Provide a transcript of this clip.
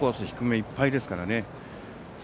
低めいっぱいですからね。